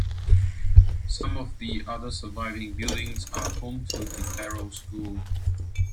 Some of the other surviving buildings are home to the Darrow School.